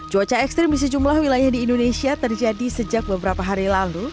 cuaca ekstrim di sejumlah wilayah di indonesia terjadi sejak beberapa hari lalu